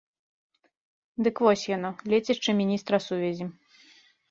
Дык вось яно, лецішча міністра сувязі.